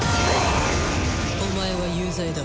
お前は有罪だ。